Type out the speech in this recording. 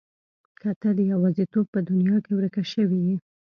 که ته د يوازيتوب په دنيا کې ورکه شوې يې.